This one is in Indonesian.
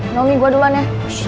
naomi gue duluan ya